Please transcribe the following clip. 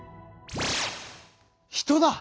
人だ！